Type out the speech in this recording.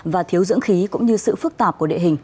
và thiếu dưỡng khí cũng như sự phức tạp của địa hình